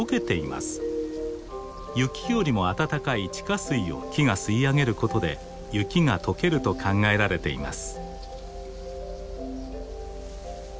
雪よりも温かい地下水を木が吸い上げることで雪が解けると考えられています。